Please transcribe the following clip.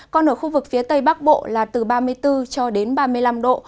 còn ở khu vực phía tây bắc bộ là từ ba mươi bốn cho đến ba mươi năm độ